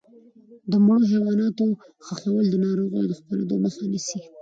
د مړو حیواناتو ښخول د ناروغیو د خپرېدو مخه نیسي.